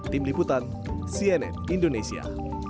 tim liputan cnn indonesia